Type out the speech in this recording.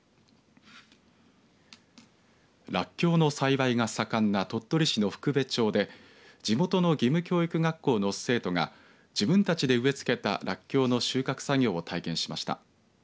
らっきょうの栽培が盛んな鳥取市の福部町で地元の義務教育学校の生徒が自分たちで植えつけたらっきょうの収穫作業を体験しました。